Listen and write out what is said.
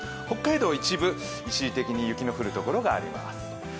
北海道、一部一時的に雪の降る所があります。